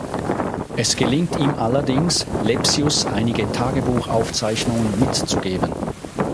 Es gelingt ihm allerdings, Lepsius einige Tagebuchaufzeichnungen mitzugeben.